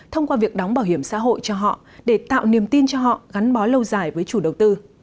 thông qua việc đóng bảo hiểm xã hội cho họ để tạo niềm tin cho họ gắn bó lâu dài với chủ đầu tư